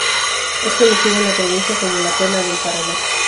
Es conocida en la provincia como "La Perla del Paraná".